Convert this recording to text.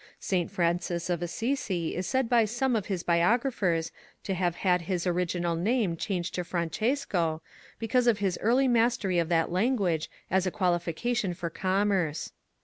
| St. Francis of Assisi is said by some of his biographers to have had his original name changed to Francesco because of his early mastery of that language as a qualification for commerce.